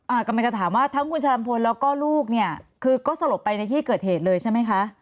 กำลังจะถามว่าทั้งคุณชาลำพลแล้วก็ลูกเนี่ยคือก็สลบไปในที่เกิดเหตุเลยใช่ไหมคะ